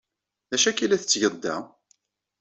D acu akka ay la tettgeḍ da?